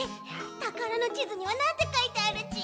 たからのちずにはなんてかいてあるち？